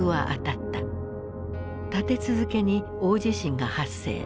立て続けに大地震が発生。